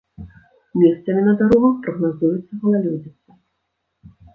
Месцамі на дарогах прагназуецца галалёдзіца.